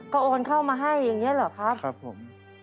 ก็โอนเข้ามาให้อย่างนี้เหรอครับครับผม